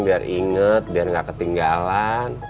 biar inget biar gak ketinggalan